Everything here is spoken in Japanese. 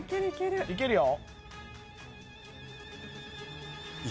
いけるよ。